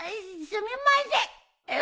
すみません。